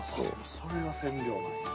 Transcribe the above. それが染料なんや。